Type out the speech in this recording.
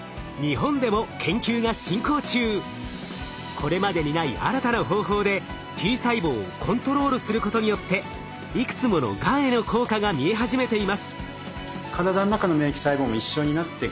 これまでにない新たな方法でＴ細胞をコントロールすることによっていくつものがんへの効果が見え始めています。